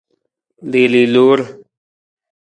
Liili loor.